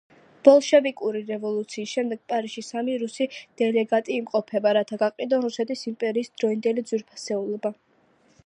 ბოლშევიკური რევოლუციის შემდეგ პარიზში სამი რუსი დელეგატი იმყოფება, რათა გაყიდონ რუსეთის იმპერიის დროინდელი ძვირფასეულობა.